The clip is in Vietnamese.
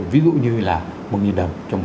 ví dụ như là một đồng